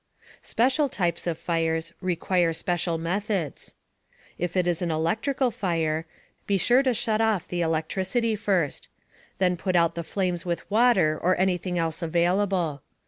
Special types of fires require special methods: If it is an electrical fire, be sure to shut off the electricity first. Then put out the flames with water or anything else available.